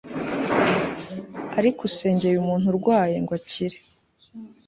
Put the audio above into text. ariko usengeye umuntu urwaye ngo akire